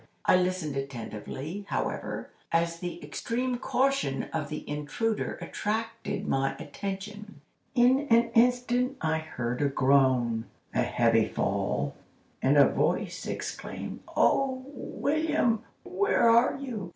I listened attentively, however, as the extreme caution of the intruder attracted my attention. In an instant I heard a groan, a heavy fall, and a voice exclaim: 'Oh, William, where are you?